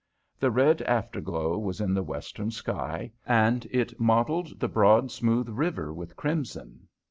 The red after glow was in the western sky, and it mottled the broad, smooth river with crimson.